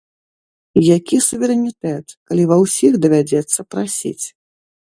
Які суверэнітэт, калі ва ўсіх давядзецца прасіць?!